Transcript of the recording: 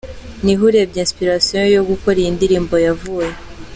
Niho urebye inspiration yo gukora iyi ndirmbo yavuye.